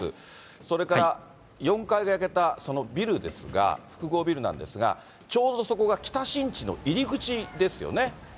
それから４階が焼けた、そのビルですが、複合ビルなんですが、ちょうどそこが北新地の入り口ですよね。